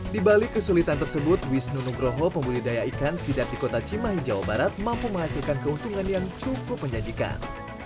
di balik kesulitan tersebut wisnu nugroho pembudidaya ikan sidat di kota cimahi jawa barat mampu menghasilkan keuntungan yang cukup menjanjikan